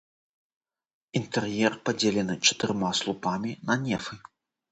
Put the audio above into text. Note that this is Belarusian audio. Інтэр'ер падзелены чатырма слупамі на нефы.